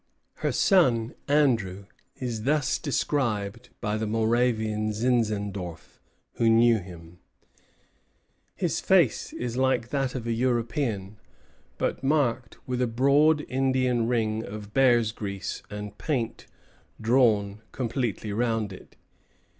Her son Andrew is thus described by the Moravian Zinzendorf, who knew him: "His face is like that of a European, but marked with a broad Indian ring of bear's grease and paint drawn completely round it.